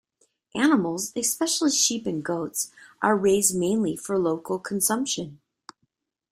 Animals, especially sheep and goats, are raised mainly for local consumption.